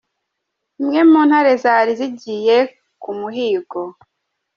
Imwe mu Ntare zari zigiye ku muhigo.